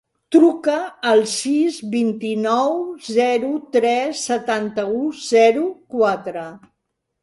Truca al sis, vint-i-nou, zero, tres, setanta-u, zero, quatre.